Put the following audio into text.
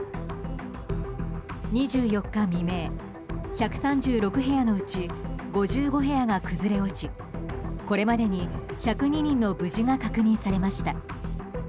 ２４日未明、１３６部屋のうち５５部屋が崩れ落ちこれまでに１０２人の無事が確認されました。